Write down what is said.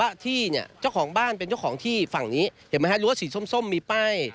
ที่เนี่ยเจ้าของบ้านเป็นเจ้าของที่ฝั่งนี้เห็นไหมฮะรั้วสีส้มส้มมีป้าย